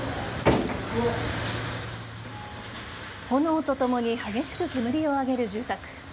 炎とともに激しく煙を上げる住宅。